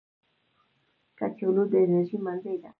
کچالو د انرژۍ منبع ده